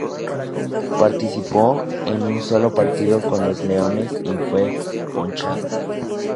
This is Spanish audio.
Participó en un solo partido con los leones y fue ponchado.